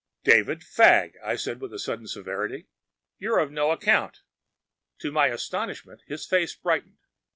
‚ÄĚ “David Fagg,‚ÄĚ I said with sudden severity, “you’re of no account!‚ÄĚ To my astonishment, his face brightened.